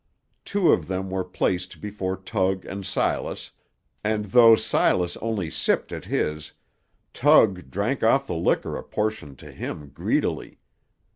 Two of them were placed before Tug and Silas, and though Silas only sipped at his, Tug drank off the liquor apportioned to him greedily.